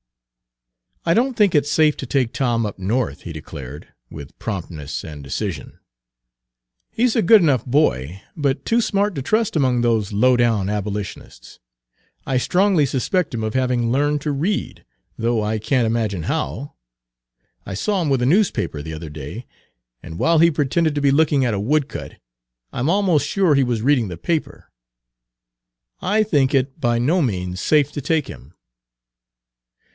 "I don't think it safe to take Tom up North," he declared, with promptness and decision. "He's a good enough boy, but too smart to trust among those low down abolitionists. I strongly suspect him of having learned to read, though I can't imagine how. I saw him with a newspaper the other day, and while he pretended to be looking at a woodcut, I'm almost sure he was reading the paper. I think it by no means safe to take him."